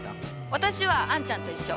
私はあんちゃんと一緒。